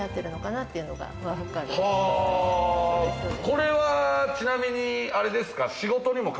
これはちなみにあれですか？